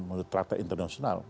menurut perata internasional